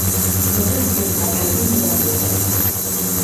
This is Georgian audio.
ზოგჯერ ზიანს აყენებენ მებაღეობას.